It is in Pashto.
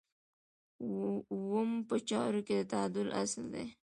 اووم په چارو کې د تعادل اصل دی.